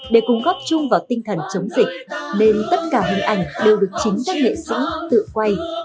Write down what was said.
để cùng góp chung vào tinh thần chống dịch nên tất cả hình ảnh đều được chính các nghệ sĩ tự quay